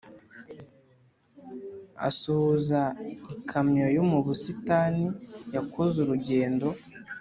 " asuhuza ikamyo yo mu busitani yakoze urugendo,